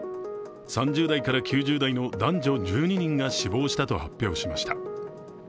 ３０代から９０代の男女１２人が死亡したと発表しました。